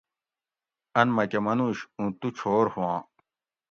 ان مکہ منوش اُوں تو چھور ھواں